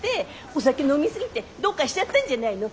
お酒飲みすぎてどうかしちゃったんじゃないの。